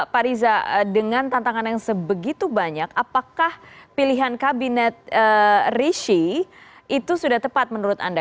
pak riza dengan tantangan yang sebegitu banyak apakah pilihan kabinet rishi itu sudah tepat menurut anda